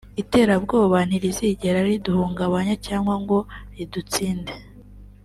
“Iterabwoba ntirizigera riduhungubanya cyangwa ngo ridutsinde